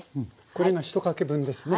これが１かけ分ですね。